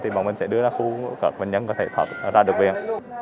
thì bọn mình sẽ đưa ra khu các bệnh nhân có thể thoát ra được viện